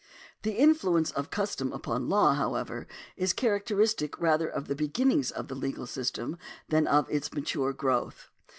This influence of custom upon law, however, is characteristic rather of the beginnings of the legal system than of its mature growth.